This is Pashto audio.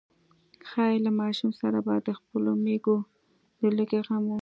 ښايي له ماشوم سره به د خپلو مېږو د لوږې غم و.